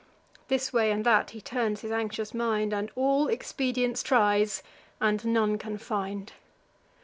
This way and that he turns his anxious mind, And all expedients tries, and none can find.